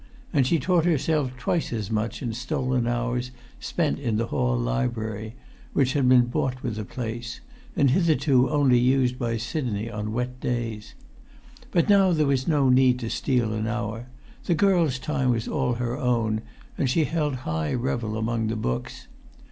And she taught herself twice as much in stolen hours spent in the[Pg 254] hall library, which had been bought with the place, and hitherto only used by Sidney on wet days. But now there was no need to steal an hour; the girl's time was all her own, and she held high revel among the books.